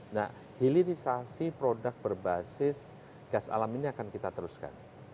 nah hilirisasi produk berbasis gas alam ini akan kita teruskan